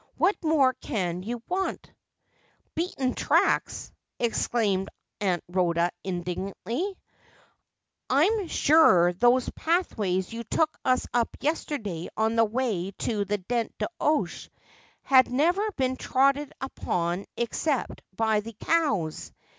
What more can you want r" 'Beaten tracks !' exclaimed Aunt Rhoda indignantly. ' I'm 336 Asphodel. sure those pathways you took us up yesterday on the way to the Dent d'Oche had never been trodden upon except by the cows.